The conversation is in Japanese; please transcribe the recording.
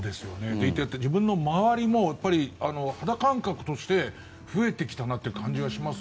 自分の周りも肌感覚として増えてきたなという感じがします。